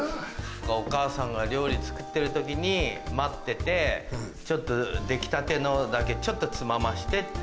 お母さんが料理作ってる時に待っててちょっと出来たてのだけちょっとつまましてって。